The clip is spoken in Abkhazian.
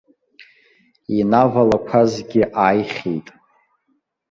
Инавалақәазгьы ааихьеит.